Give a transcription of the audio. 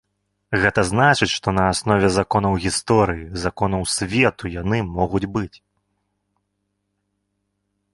Гэта значыць, што на аснове законаў гісторыі, законаў свету яны могуць быць.